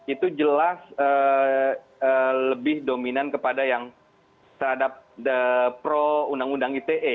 itu jelas lebih dominan kepada yang terhadap pro undang undang ite